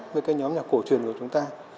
với cái nhóm nhạc cổ truyền của chúng ta